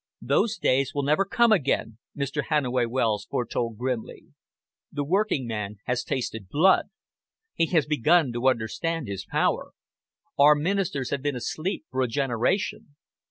"Those days will never come again," Mr. Hannaway Wells foretold grimly. "The working man has tasted blood. He has begun to understand his power. Our Ministers have been asleep for a generation.